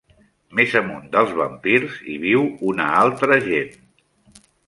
Més amunt dels vampirs hi viu una altra gent.